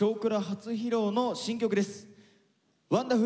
初披露の新曲です。